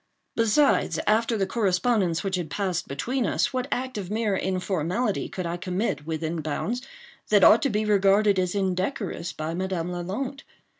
Besides, after the correspondence which had passed between us, what act of mere informality could I commit, within bounds, that ought to be regarded as indecorous by Madame Lalande?